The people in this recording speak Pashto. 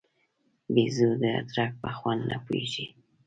بېزو د ادرک په خوند نه پوهېږي.